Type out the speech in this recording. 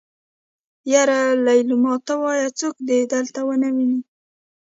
يره ليلما ته وايه څوک دې دلته ونه ويني.